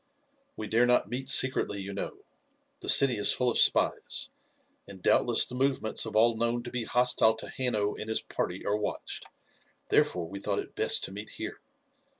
"We dare not meet secretly, you know. The city is full of spies, and doubtless the movements of all known to be hostile to Hanno and his party are watched, therefore we thought it best to meet here.